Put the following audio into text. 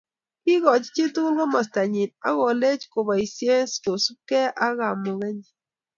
Kokoch chitugul komostanyi akolech koboisie kosubkei ak kamukenyi